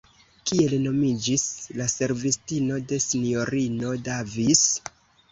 Kiel nomiĝis la servistino de S-ino Davis?